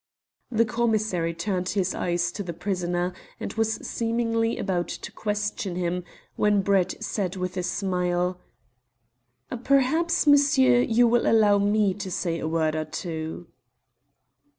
The commissary turned his eyes to the prisoner and was seemingly about to question him, when Brett said with a smile "Perhaps, monsieur, you will allow me to say a word or two."